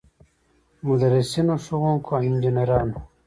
مدرسینو، ښوونکو، انجنیرانو.